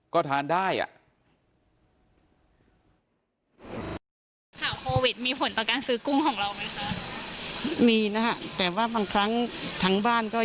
ก็ทานได้อ่ะ